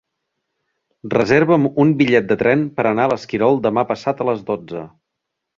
Reserva'm un bitllet de tren per anar a l'Esquirol demà passat a les dotze.